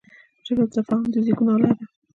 ژبه د تفاهم د زېږون اله ده